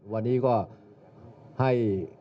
วันนี้ก็ให้